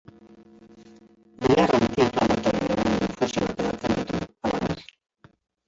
Belar antiinflamatorioen infusioak edaten ditu, halaber.